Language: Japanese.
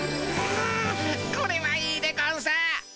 あこれはいいでゴンス。